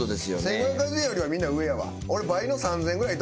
１，５８０円よりはみんな上やわ。